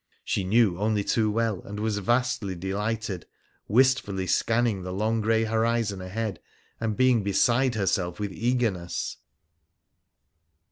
She knew only too well, and was vastly delighted, wistfully scanning the long grey horizon ahead, and being beside herself with eagerness.